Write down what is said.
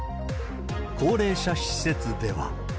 高齢者施設では。